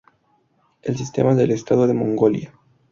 El Sistema del Estado de Mongolia.